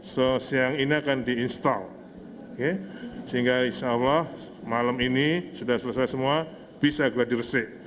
jadi seiang ini akan diinstall sehingga insya allah malam ini sudah selesai semua bisa gladiresik